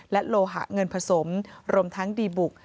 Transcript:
และโลหะเงินผสมรวมทั้งดีบุก